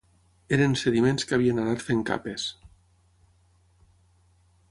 Eren sediments que havien anat fent capes